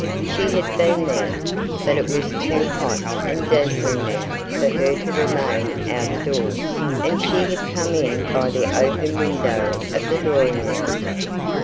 She had been there, but it was too hot and dazzling now for her to remain out of doors, and she had come in by the open window of the drawing room.